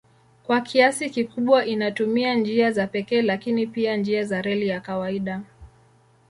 Kwa kiasi kikubwa inatumia njia za pekee lakini pia njia za reli ya kawaida.